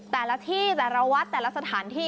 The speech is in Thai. แต่ละที่แต่ละวัดแต่ละสถานที่